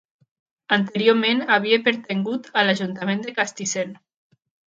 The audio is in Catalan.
Anteriorment, havia pertangut a l'ajuntament de Castissent.